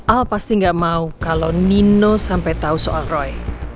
al pasti gak mau kalau nino sampai tahu soal roy